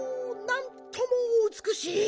なんともうつくしい！